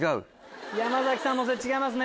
山崎さんも違いますね。